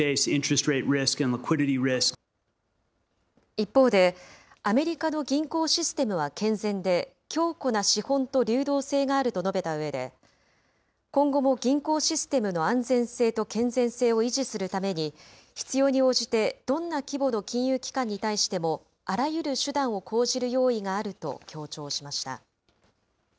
一方で、アメリカの銀行システムは健全で、強固な資本と流動性があると述べたうえで、今後も銀行システムの安全性と健全性を維持するために、必要に応じてどんな規模の金融機関に対しても、あらゆる手段を講じる用意があると強調しました。